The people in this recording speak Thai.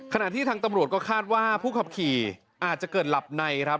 ขณะที่ทางตำรวจก็คาดว่าผู้ขับขี่อาจจะเกิดหลับในครับ